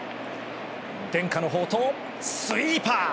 伝家の宝刀、スイーパー。